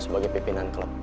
sebagai pimpinan klub